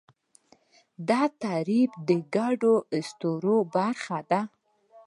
دا تعریف د ګډو اسطورو برخه ده.